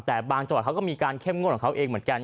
แต่บางจังหวัดเขาก็มีการเข้มงวดของเขาเองเหมือนกัน